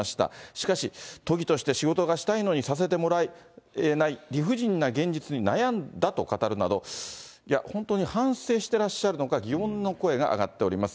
しかし、都議として仕事がしたいのに、させてもらえない理不尽な現実に悩んだと語るなど、いや、本当に反省してらっしゃるのか、疑問の声が上がっております。